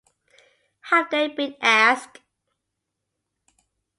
Have they been asked?